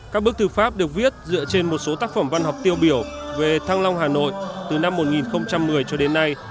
các bức thư pháp được viết dựa trên một số tác phẩm văn học tiêu biểu về thăng long hà nội từ năm một nghìn một mươi cho đến nay